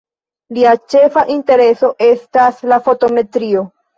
Lia ĉefa intereso estas la fotometrio.